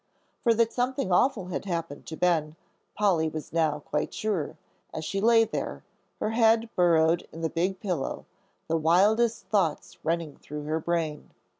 For that something awful had happened to Ben, Polly was now quite sure, as she lay there, her head burrowed in the big pillow, the wildest thoughts running through her brain.